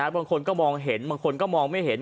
บางคนก็มองเห็นบางคนก็มองไม่เห็น